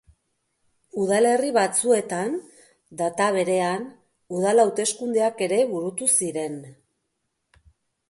Udalerri batzuetan, data berean, udal hauteskundeak ere burutu ziren.